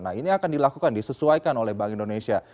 nah ini akan dilakukan disesuaikan oleh bank indonesia